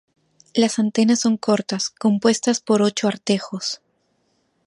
Las antenas son cortas, compuestas por ocho artejos.